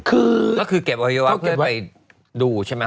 ก็คือเก็บอัยวะเพื่อไปดูใช่ไหมครับ